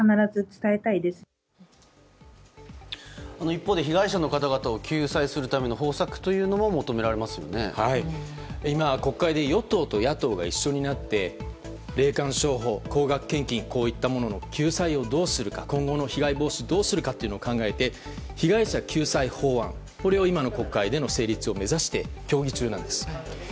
一方で被害者の方々を救済するための方策というものも今、国会で与党と野党が一緒になって霊感商法、高額献金などこういったものの救済や今後の被害防止をどうするかを考えて、被害者救済法案を今の国会での成立を目指して協議中なんです。